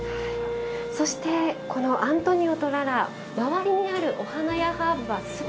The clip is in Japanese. そしてアントニオとララ周りにあるお花やハーブは全て食用。